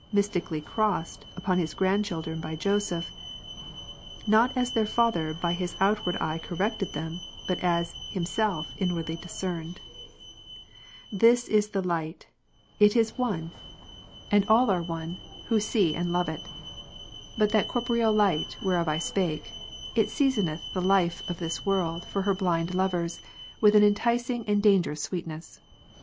mystically crossed, upon his grandchildren by Joseph, not as their father by his outward eye corrected them, but as him self inwardly discerned. This is the light, it is one, and all p 2 212 Men multiply their own temptations beyond measure. CONF. are one, who see and love it. But that corporeal light ^'^' whereof I spake, it seasoneth the life of this world for her 15 4. blind lovers, with an inticing and dangerous sweetness.